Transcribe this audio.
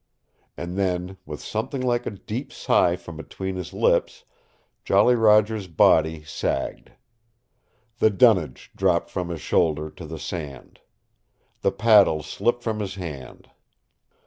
And then, with something like a deep sigh from between his lips, Jolly Roger's body sagged. The dunnage dropped from his shoulder to the sand. The paddle slipped from his hand.